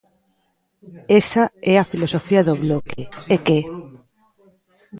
Esa é a filosofía do Bloque, ¿e que?